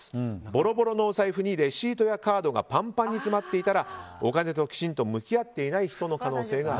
ボロボロの財布にレシートやカードがパンパンに詰まっていたらお金ときちんと向き合っていない人の可能性。